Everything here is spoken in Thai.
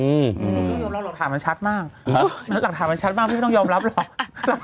อืมอืมหลักถามมันชัดมากฮะหลักถามมันชัดมากพี่ไม่ต้องยอมรับหรอก